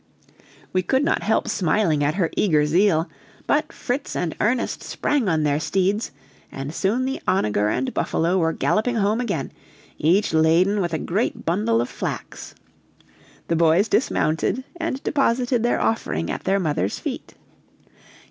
We could not help smiling at her eager zeal; but Fritz and Ernest sprang on their steeds, and soon the onager and buffalo were galloping home again, each laden with a great bundle of flax. The boys dismounted and deposited their offering at their mother's feet.